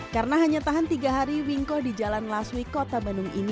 karena hanya tahan tiga hari winko di jalan laswi kota bandung ini